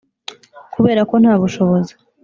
kubera ko nta bushobozi